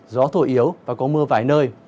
có nhiều và có mưa vài nơi